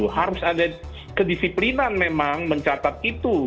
harus ada kedisiplinan memang mencatat itu